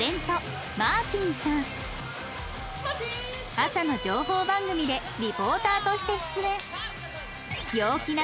朝の情報番組でリポーターとして出演